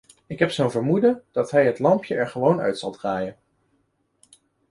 Ik heb zo'n vermoeden dat hij het lampje er gewoon uit zal draaien.